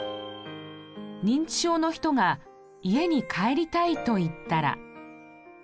認知症の人が「家に帰りたい」と言ったら。